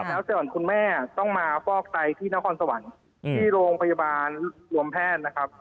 แล้วส่วนคุณแม่ต้องมาฟอกไตที่นครสวรรค์ที่โรงพยาบาลรวมแพทย์นะครับ